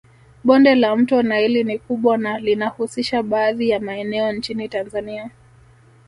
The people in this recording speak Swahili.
Bonde la mto naili ni kubwa na linahusisha baadhi ya maeneo nchini Tanzania